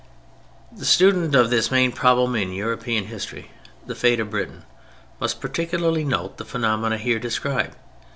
The student of this main problem in European history, the fate of Britain, must particularly note the phenomenon here described.